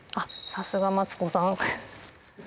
さすがマツコさん